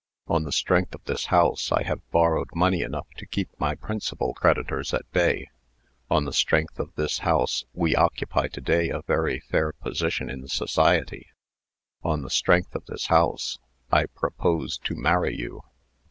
On the strength of this house, I have borrowed money enough to keep my principal creditors at bay. On the strength of this house, we occupy to day a very fair position in society. On the strength of this house, I propose to marry you."